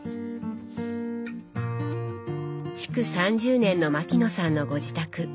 築３０年の牧野さんのご自宅。